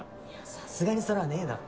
さすがにそれはねえだろ。